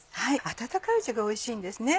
温かいうちがおいしいんですね。